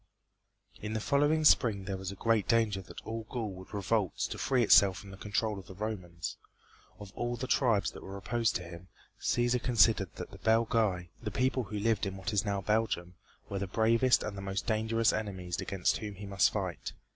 In the following spring there was great danger that all Gaul would revolt to free itself from the control of the Romans. Of all the tribes that were opposed to him, Cæsar considered that the Belgæ, the people who lived in what is now Belgium, were the bravest and the most dangerous enemies against whom he must fight.